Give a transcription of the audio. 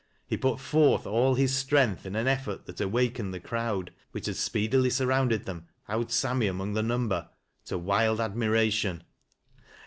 He put forth all his strength in an effort that awakened the crowd — which had speedily surrounded them, Owd Sammy among the number— tc wild admiration.